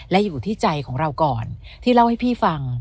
และอยู่ที่ใจของเราก่อนที่เล่าให้พี่ฟัง